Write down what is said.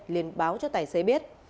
liên báo cho tài xế biết